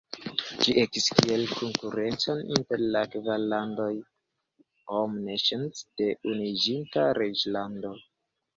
Ĝi ekis kiel konkurenco inter la kvar landoj "Home Nations" de Unuiĝinta Reĝlando.